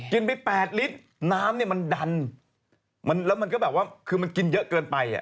กินไป๘ลิตรน้ำเนี่ยมันดันแล้วมันก็แบบว่าคือมันกินเยอะเกินไปอ่ะ